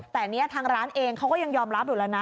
แต่เนี่ยทางร้านเองเขาก็ยังยอมรับอยู่แล้วนะ